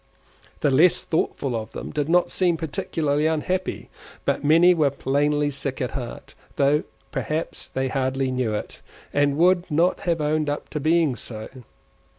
The less thoughtful of them did not seem particularly unhappy, but many were plainly sick at heart, though perhaps they hardly knew it, and would not have owned to being so.